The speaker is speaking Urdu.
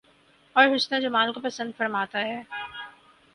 اور حسن و جمال کو پسند فرماتا ہے